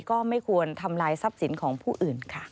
ก็ไม่ควรทำลายทรัพย์สินของผู้อื่นค่ะ